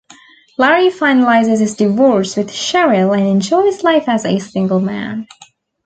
Larry finalizes his divorce with Cheryl and enjoys life as a single man.